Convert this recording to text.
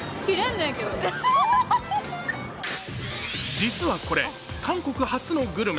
実はこれ、韓国発のグルメ。